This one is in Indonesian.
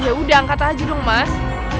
yaudah angkat aja dong mas